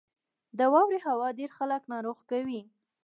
• د واورې هوا ډېری خلک ناروغ کوي.